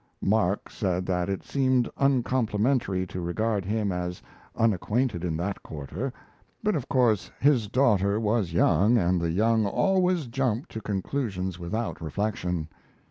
Mark said that it seemed uncomplimentary to regard him as unacquainted in that quarter; but of course his daughter was young, and the young always jump to conclusions without reflection.